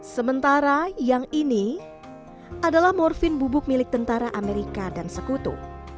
sementara yang ini adalah morfin bubuk milik tentara amerika dan sekutu